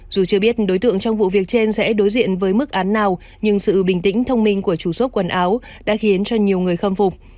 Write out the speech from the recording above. dù chưa biết đối tượng trong vụ việc trên sẽ đối diện với mức án nào nhưng sự bình tĩnh thông minh của chủ xốp quần áo đã khiến cho nhiều người khâm phục